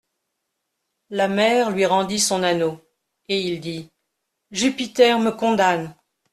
La mer lui rendit son anneau, et il dit : Jupiter me condamne.